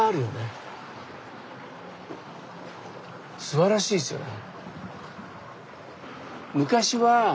すばらしいですよね。